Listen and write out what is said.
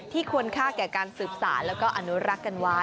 ควรค่าแก่การสืบสารแล้วก็อนุรักษ์กันไว้